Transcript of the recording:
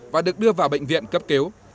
và được đưa vào bệnh viện cấp cứu